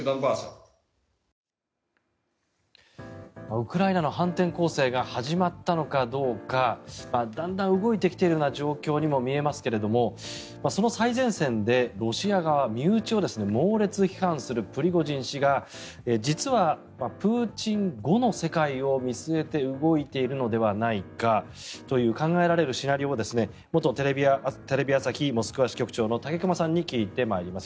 ウクライナの反転攻勢が始まったのかどうかだんだん動いてきているような状況にも見えますけれどその最前線でロシア側は身内を猛烈批判するプリゴジン氏が実はプーチン後の世界を見据えて動いているのではないかという考えられるシナリオを元テレビ朝日モスクワ支局長の武隈さんに聞いてまいります。